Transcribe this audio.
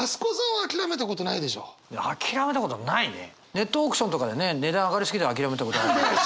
ネットオークションとかでね値段上がりすぎて諦めたことはあるけど。